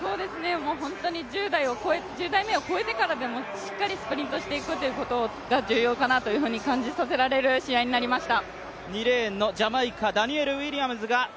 もう本当に１０台目を越えてからでもしっかりスプリントしていくことが重要かなということが感じさせられる試合になりました。